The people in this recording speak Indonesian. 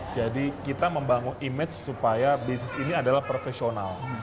jadi kita membangun image supaya bisnis ini adalah profesional